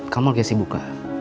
kamu lagi sibuk gak